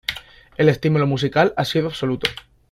El estímulo musical ha sido absoluto.